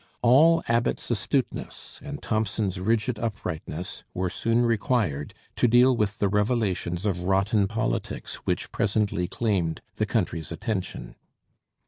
All Abbott's astuteness and Thompson's rigid uprightness were soon required to deal with the revelations of rotten politics which presently claimed the country's attention.